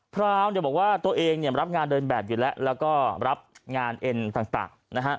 พราวน์บอกว่าตัวเองรับงานเดินแบบอยู่แล้วแล้วก็รับงานเอ็นต่าง